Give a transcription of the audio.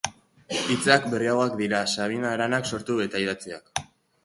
Hitzak berriagoak dira, Sabin Aranak sortu eta idatziak.